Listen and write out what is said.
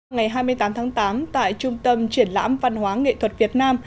ngày hai mươi tám tháng tám tại trung tâm triển lãm văn hóa nghệ thuật việt nam